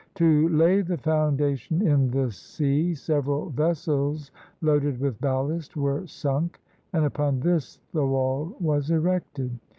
To lay the foun dation in the sea, several vessels loaded with ballast were sunk, and upon this the wall was erected.